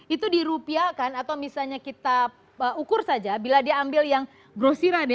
itu dirupiakan atau misalnya kita ukur saja bila dia ambil yang grosiran